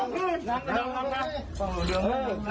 เย็นสามัน